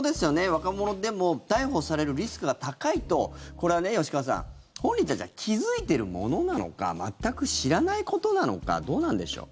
若者でも逮捕されるリスクが高いとこれはね、吉川さん本人たちは気付いてるものなのか全く知らないことなのかどうなんでしょう。